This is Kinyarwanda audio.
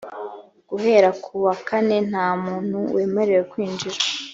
guhera ku wakane nta muntu wemerewe kwinjira